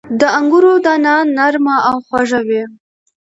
• د انګورو دانه نرمه او خواږه وي.